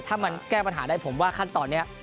ถ้ามันแก้ปัญหาได้ผมว่าขั้นตอนนี้